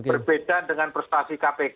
berbeda dengan prestasi kpk